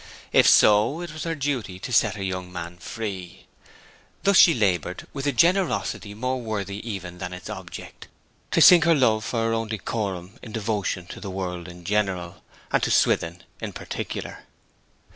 If so, it was her duty to set her young man free. Thus she laboured, with a generosity more worthy even than its object, to sink her love for her own decorum in devotion to the world in general, and to Swithin in particular.